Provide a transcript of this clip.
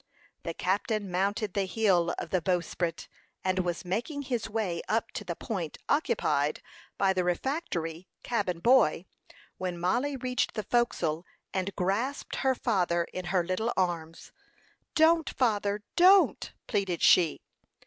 The captain mounted the heel of the bowsprit, and was making his way up to the point occupied by the refractory cabin boy, when Mollie reached the forecastle, and grasped her father in her little arms. "Don't, father, don't!" pleaded she.